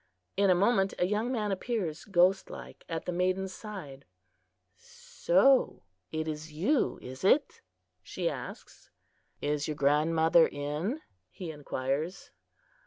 In a moment a young man appears ghost like at the maiden's side. "So it is you, is it?" she asks. "Is your grandmother in?" he inquires.